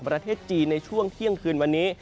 ประเทศจีนในช่วงเที่ยงคืนวันนี้